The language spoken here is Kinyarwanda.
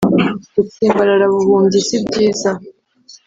gutsimbarara buhumyi sibyiza